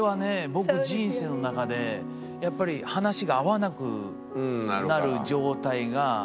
僕人生の中でやっぱり話が合わなくなる状態がくると思うんですね。